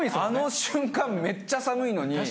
あの瞬間めっちゃ寒いのに。